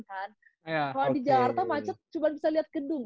kalau di jakarta macet cuma bisa lihat gedung